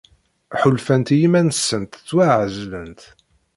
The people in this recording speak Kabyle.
Ḥulfant i yiman-nsent ttwaɛezlent.